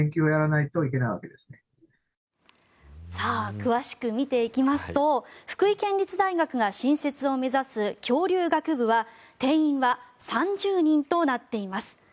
詳しく見ていきますと福井県立大学が新設を目指す恐竜学部は定員は３０人となっています。